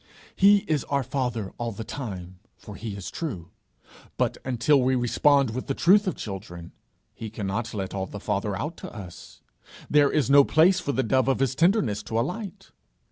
He is our father all the time, for he is true; but until we respond with the truth of children, he cannot let all the father out to us; there is no place for the dove of his tenderness to alight.